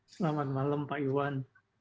selamat malam pak iwan